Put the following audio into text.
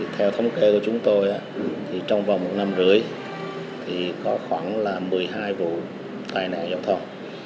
theo thống kê của chúng tôi trong vòng một năm rưỡi thì có khoảng là một mươi hai vụ tai nạn giao thông